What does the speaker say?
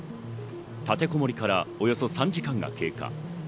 立てこもりからおよそ３時間が経過。